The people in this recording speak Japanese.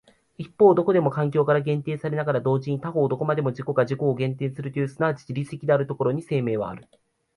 一方どこまでも環境から限定されながら同時に他方どこまでも自己が自己を限定するという即ち自律的であるというところに生命はある。